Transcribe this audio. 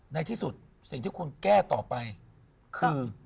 ในที่สุดสิ่งที่คุณแก้ต่อไปคือ